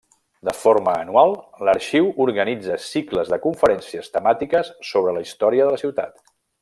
De forma anual, l'arxiu organitza cicles de conferències temàtiques sobre la història de la ciutat.